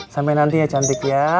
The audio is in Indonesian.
sampai nanti ya cantik ya